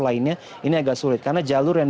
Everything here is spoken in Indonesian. lainnya ini agak sulit karena jalur yang